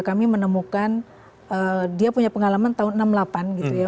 kami menemukan dia punya pengalaman tahun seribu sembilan ratus enam puluh delapan gitu ya